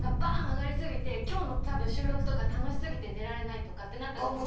上がり過ぎて今日のたぶん収録とか楽し過ぎて寝られないとかってなった時も。